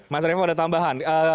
mas ribu ada tambahan